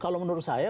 kalau menurut saya